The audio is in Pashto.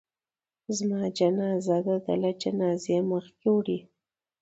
زما جنازه د ده له جنازې مخکې وړئ.